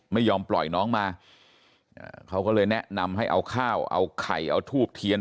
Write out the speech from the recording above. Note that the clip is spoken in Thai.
ไม่ยอมปล่อยน้องมาเขาก็เลยแนะนำให้เอาข้าวเอาไข่เอาทูบเทียน